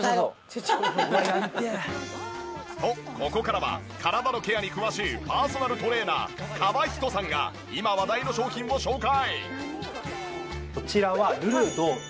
とここからは体のケアに詳しいパーソナルトレーナー川人さんが今話題の商品を紹介！